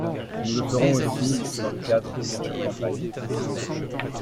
Nous le ferons aussi dans le cadre des futures campagnes.